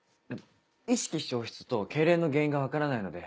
意識消失と痙攣の原因が分からないので